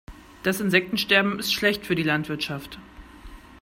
Das Insektensterben ist schlecht für die Landwirtschaft.